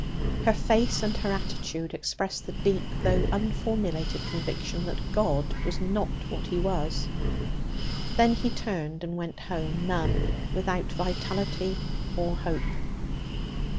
Her face and her attitude expressed the deep though unformulated conviction that God was 'not what He was.' Then he turned and went home, numb, without vitality or hope.